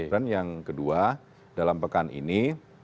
dan yang kedua dalam pekan ini